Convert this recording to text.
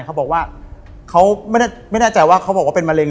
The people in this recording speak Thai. เขาบอกว่าเขาไม่แน่ใจว่าเขาบอกว่าเป็นมะเร็